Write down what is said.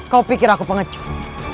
kau pikir aku pengecut